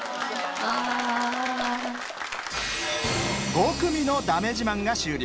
５組のだめ自慢が終了。